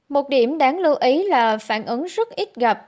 một điểm đáng lưu ý là phản ứng rất ít gặp